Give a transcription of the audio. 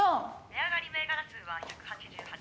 「値上がり銘柄数は１８８。